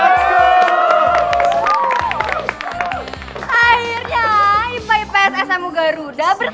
akhirnya ipps smu garuda bersatu